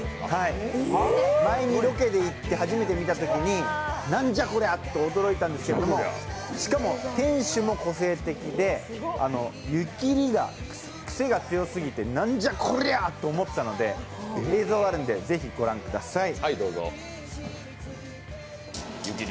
前にロケで行って初めて見たときになんじゃこりゃ！って驚いたんですけどしかも店主も個性的で湯切りがクセが強すぎてなんじゃこりゃと思ったので映像あるんでぜひご覧ください。